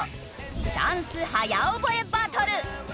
ダンス早覚えバトル。